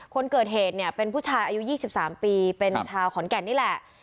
คนเกิดเหตุเนี่ยเป็นผู้ชายอายุ๒๓ปีเป็นชาวขอนแก่นนี่แหละ